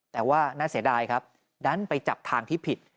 แต่ว่าน่าเสียดายครับดันไปจับทางที่ผิด